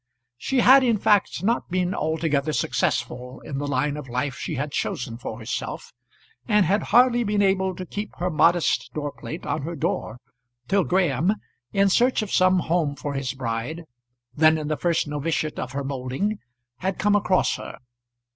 She had in fact not been altogether successful in the line of life she had chosen for herself, and had hardly been able to keep her modest door plate on her door, till Graham, in search of some home for his bride, then in the first noviciate of her moulding, had come across her.